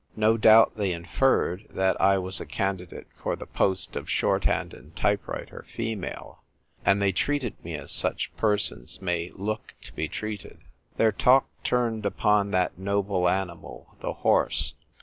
No doubt they inferred that I was a can didate for the post of Shorthand and Type writer (female), and they treated me as such persons may look to be treated. Their talk turned upon that noble animal, the horse.